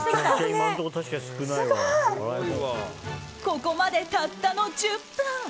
ここまでたったの１０分。